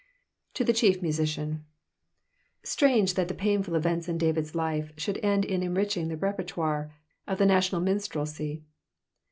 To the Chief Mnsioian. — Slrange that the painful events in David's l{fe should end in enriching the repertoire of ike natiorial minstrelsy.